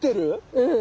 うん。